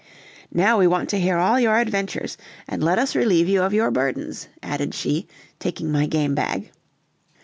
"Now we want to hear all your adventures, and let us relieve you of your burdens," added she, taking my game bag.